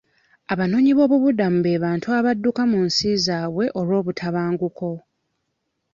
Abanoonyi b'obubuddamu be bantu abadduka mu nsi zaabwe olw'obutabanguko.